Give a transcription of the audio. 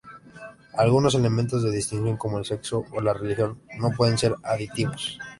Algunos elementos de distinción como el sexo o la religión no pueden ser admitidos.